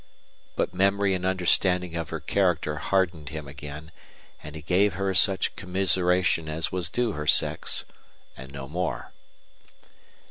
But memory and understanding of her character hardened him again, and he gave her such commiseration as was due her sex, and no more.